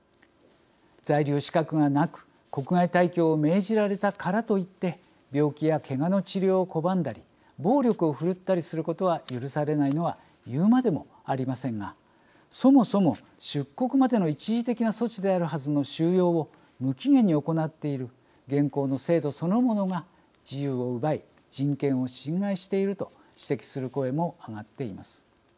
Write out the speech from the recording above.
在留資格がなく国外退去を命じられたからといって病気や、けがの治療を拒んだり暴力をふるったりすることは許されないのは言うまでもありませんがそもそも出国までの一時的な措置であるはずの収容を無期限に行っている現行の制度そのものが自由を奪い人権を侵害していると指摘する声も上がっています。